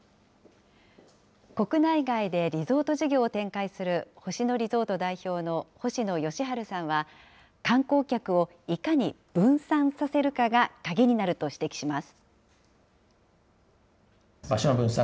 国内外でリゾート事業を展開する星野リゾート代表の星野佳路さんは、観光客をいかに分散させるかが鍵になると指摘します。